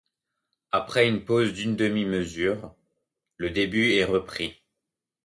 Après une pause d'une demi-mesure le début est repris.